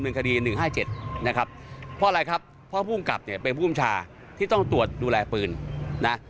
มีกรุ่มชาที่ต้องตรวจดูแลปืน